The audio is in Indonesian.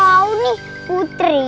aduh nih putri